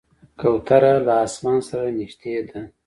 کوتره له اسمان سره نږدې ده.